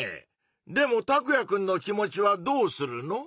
でもタクヤくんの気持ちはどうするの？